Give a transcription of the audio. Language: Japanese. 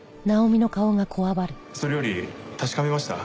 それより確かめました？